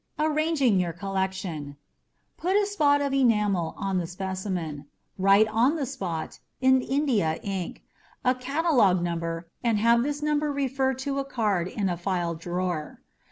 Arranging Your Collection Put a spot of enamel on the specimen. Write on the spot in India ink a catalog number and have this number refer to a card in a file drawer.